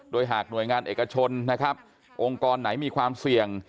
โดยหากหน่วยงานเอกชนนะครับองค์กรไหนมีความเสี่ยง